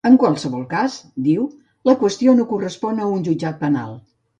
En qualsevol cas, diu, la qüestió no correspon a un jutjat penal.